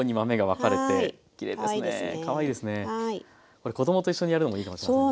これ子供と一緒にやるのもいいかもしれませんね。